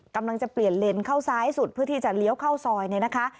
กำลังจะเปลี่ยนเลนเข้าซ้ายสุดเพื่อที่จะเลี้ยวเข้าซอยเนี่ยนะคะ